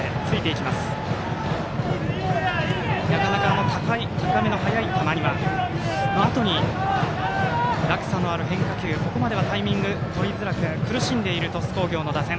なかなか高めの速い球のあとに落差のある変化球タイミング取りづらく苦しんでいる鳥栖工業の打線。